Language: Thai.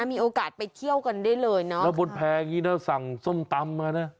น่ะมีโอกาสไปเที่ยวกันได้เลยเนอะแล้วบทแพร่นี้น่ะสั่งส้นตำมาน่ะ